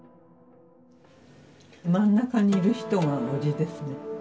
真ん中にいる人が叔父ですね。